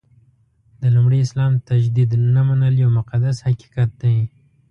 د لومړي اسلام تجدید نه منل یو مقدس حقیقت دی.